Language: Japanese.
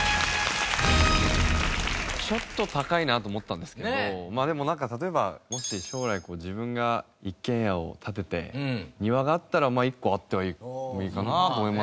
ちょっと高いなと思ったんですけどまあでもなんか例えばもし将来自分が一軒家を建てて庭があったら１個あってもいいかなと思いますよね。